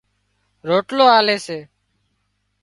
روٽلو آلي سي